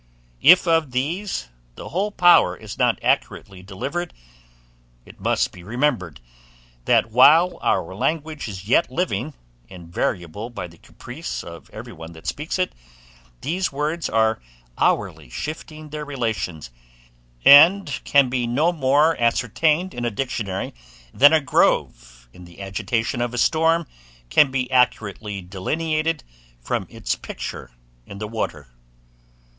If of these the whole power is not accurately delivered, it must be remembered, that while our language is yet living, and variable by the caprice of every one that speaks it, these words are hourly shifting their relations, and can no more be ascertained in a dictionary, than a grove, in the agitation of a storm, can be accurately delineated from its picture in the water.